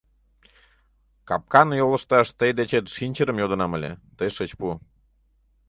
Капкан йолышташ тый дечет шинчырым йодынам ыле, тый шыч пу.